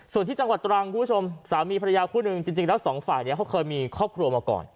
ส่วนที่จังหวัดตรังคุณผู้ชมสามีภรรยาคู่หนึ่งจริงแล้วสองฝ่ายเนี่ยเขาเคยมีครอบครัวมาก่อน